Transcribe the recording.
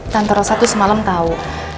tante rosa tuh semalam tau